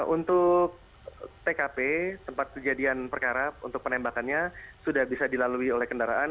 untuk tkp tempat kejadian perkara untuk penembakannya sudah bisa dilalui oleh kendaraan